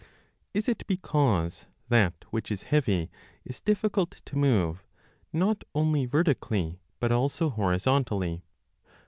3 Is it because that which is heavy is difficult to move not only vertically, but also horizontally?